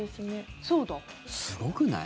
すごくない？